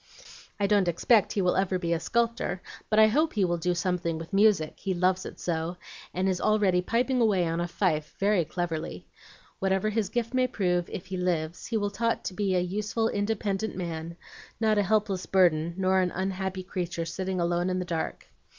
"I don't expect he will ever be a sculptor, but I hope he will do something with music he loves it so, and is already piping away on a fife very cleverly. Whatever his gift may prove, if he lives, he will be taught to be a useful, independent man, not a helpless burden, nor an unhappy creature sitting alone in the dark.